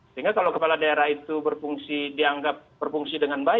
sehingga kalau kepala daerah itu berfungsi dengan baik